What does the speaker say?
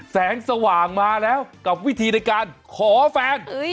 แสงสว่างมาแล้วกับวิธีในการขอแฟน